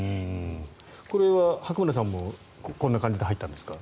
これは白村さんもこんな感じで入ったんですか。